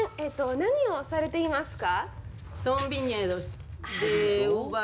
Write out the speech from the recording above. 何をされていますか？